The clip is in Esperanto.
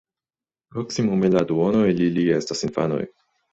Proksimume la duono el ili estas infanoj.